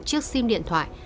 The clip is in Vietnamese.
chiếc sim điện thoại